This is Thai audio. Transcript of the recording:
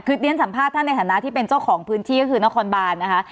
คือเรียนสัมภาษณ์ท่านในฐานะที่เป็นเจ้าของพื้นที่ก็คือนครบานนะคะ